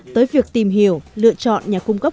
tới việc tìm hiểu lựa chọn nhà cung cấp